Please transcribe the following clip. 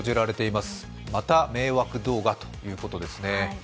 また迷惑動画ということですね。